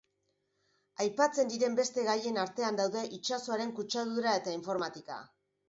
Aipatzen diren beste gaien artean daude itsasoaren kutsadura eta informatika.